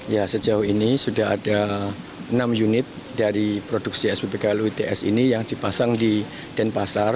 ya sejauh ini sudah ada enam unit dari produksi sppklu its ini yang dipasang di denpasar